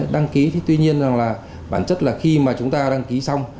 đăng ký thì tuy nhiên rằng là bản chất là khi mà chúng ta đăng ký xong